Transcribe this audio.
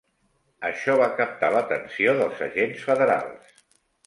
Això va captar l'atenció dels agents federals.